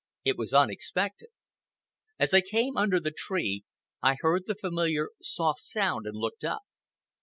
It was unexpected. As I came under the tree I heard the familiar soft sound and looked up.